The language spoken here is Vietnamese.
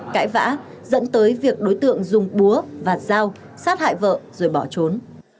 cãi vã dẫn tới việc đối tượng dùng búa và dao sát hại vợ rồi bỏ trốn